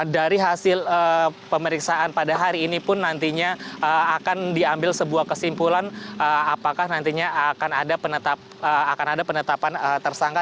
dari hasil pemeriksaan pada hari ini pun nantinya akan diambil sebuah kesimpulan apakah nantinya akan ada penetapan tersangka